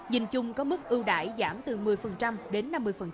nhìn chung có mức ưu đại giảm từ một mươi đến năm mươi